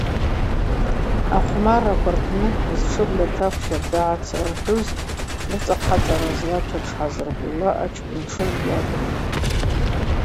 Ахъвмарраква рпны зтшы бльатакв щарда гӏацрархӏвуз рыцӏа хъацӏара злата тшгӏазырбуз ачкӏвын-тшыгӏв йакӏвын.